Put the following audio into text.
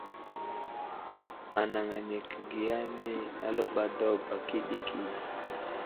Anaŋ ane kəbiya ane aləɓay daw ba ɗikiɗiki.